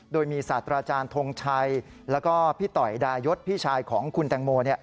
โดยมีศาสตราจารย์ทงชัยแล้วก็พี่ต่อยดายศพี่ชายของคุณแตงโม